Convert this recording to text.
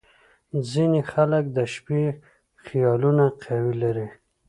• ځینې خلک د شپې خیالونه قوي لري.